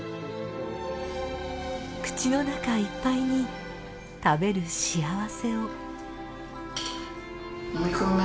口の中いっぱいに食べる幸せを。